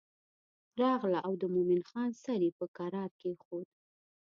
راغله او د مومن خان سر یې په کرار کېښود.